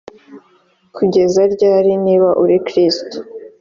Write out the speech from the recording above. kugeza ryari niba uri kristo